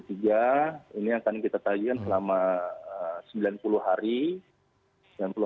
ini akan kita tagihkan selama sembilan puluh hari